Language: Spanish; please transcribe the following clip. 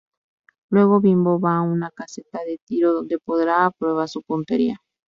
Luego Bimbo va a una caseta de tiro, donde pondrá a prueba su puntería.